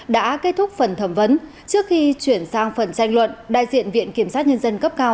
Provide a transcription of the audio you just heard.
đã kết thúc phần thẩm vấn trước khi chuyển sang phần tranh luận đại diện viện kiểm sát nhân dân cấp cao